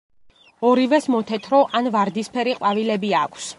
ორივეს მოთეთრო ან ვარდისფერი ყვავილები აქვს.